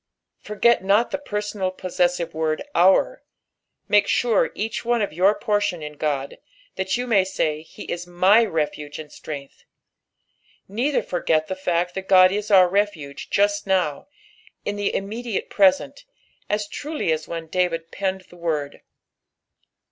Forget not Che personal possesaive word " out;" make sure each one of jour portion in God, that you may say, " He is my refuge and Btrength." Neither forget the fact that God is our refuge just now, in the immediate present, as truly as when David penned the word.